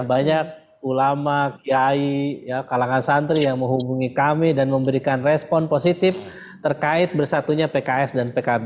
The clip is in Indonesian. banyak ulama kiai kalangan santri yang menghubungi kami dan memberikan respon positif terkait bersatunya pks dan pkb